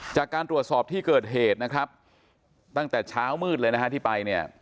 จากการตรวจสอบที่เกิดเหตุนะครับตั้งแต่เช้ามืดเลยนะฮะที่ไปเนี่ย